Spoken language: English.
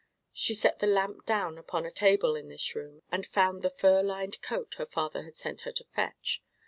She set the lamp down upon a table in this room, and found the fur lined coat her father had sent her to fetch.